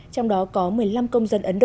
trong đó có một mươi năm công dân ấn độ